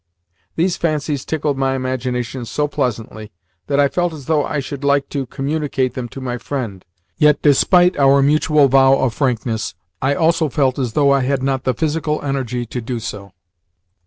These fancies tickled my imagination so pleasantly that I felt as though I should like to communicate them to my friend; yet, despite our mutual vow of frankness, I also felt as though I had not the physical energy to do so.